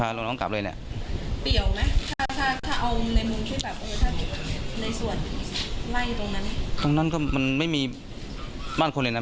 หลังจากพบศพผู้หญิงปริศนาตายตรงนี้ครับ